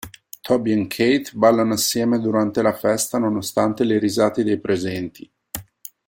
Toby e Kate ballano insieme durante la festa, nonostante le risate dei presenti.